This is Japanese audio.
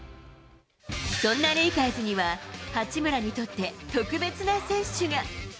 そんなレイカーズには、八村にとって特別な選手が。